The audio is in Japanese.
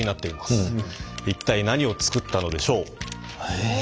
一体何を作ったのでしょう？え？